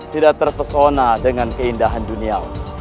tidak terpesona dengan keindahan dunia